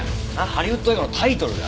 ハリウッド映画のタイトルだよ